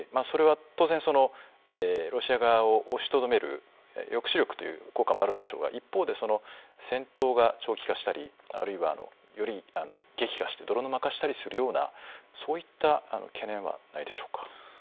それは当然ロシア側を押しとどめる抑止力という効果もあるんでしょうが一方で戦闘が長期化したりあるいはより激化して泥沼化したりするようなそういった懸念はないでしょうか。